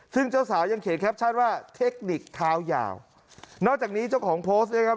ซึ่งเจ้าสาวยังเขียนแคปชั่นว่าเทคนิคเท้ายาวนอกจากนี้เจ้าของโพสต์นะครับ